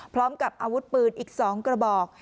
พร้อมกับอาวุธปืนอีก๒กระบอก